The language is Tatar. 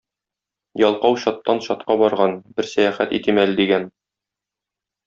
Ялкау чаттан чатка барган: бер сәяхәт итим әле, дигән.